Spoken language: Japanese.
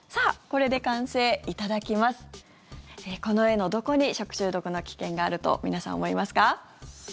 この絵のどこに食中毒の危険があると皆さん、思いますか？